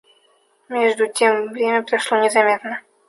Между тем время прошло незаметно.